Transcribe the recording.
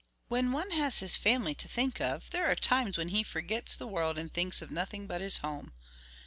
"When one has his family to think of, there are times when he forgets the world and thinks of nothing but his home.